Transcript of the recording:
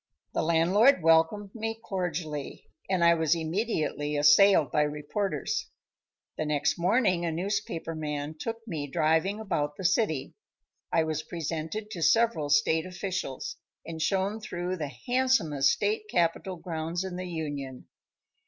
The landlord welcomed me cordially, and I was immediately assailed by reporters. The next morning a newspaper man took me driving about the city. I was presented to several state officials, and shown through the handsomest state capitol grounds in the Union.